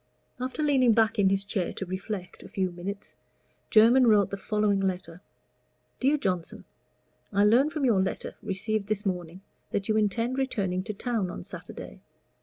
After leaning back in his chair to reflect a few minutes, Jermyn wrote the following letter: DEAR JOHNSON, I learn from your letter, received this morning, that you intend returning to town on Saturday.